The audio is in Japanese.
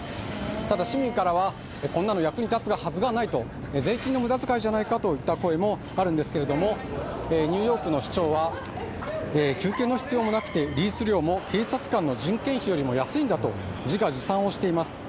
ただ、市民からはこんなの役に立つはずがない、税金の無駄遣いじゃないかといった声もあるんですけれどもニューヨークの市長は休憩の必要もなくて警察官の人件費よりも安いんだと自画自賛をしています。